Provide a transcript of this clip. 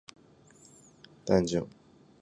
ダンジョン